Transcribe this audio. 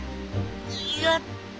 よっと。